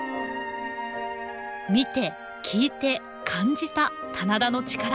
見て聞いて感じた「棚田の力」。